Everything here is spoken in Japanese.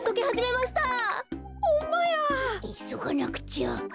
いそがなくちゃ。